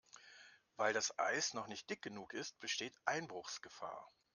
Weil das Eis noch nicht dick genug ist, besteht Einbruchsgefahr.